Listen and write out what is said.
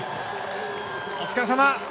お疲れさま！